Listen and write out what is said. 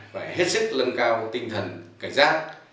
phải hết sức lân cao tinh thần cảnh giác